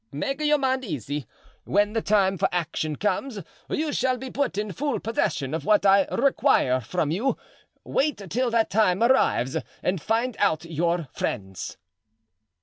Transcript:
"Make your mind easy; when the time for action comes you shall be put in full possession of what I require from you; wait till that time arrives and find out your friends."